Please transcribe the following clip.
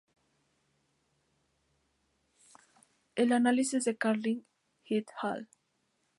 El análisis de Carlini "et al.